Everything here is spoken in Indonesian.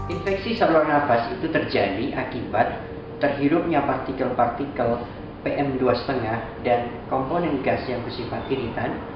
infeksi saluran nafas itu terjadi akibat terhirupnya partikel partikel pm dua lima dan komponen gas yang bersifat iritan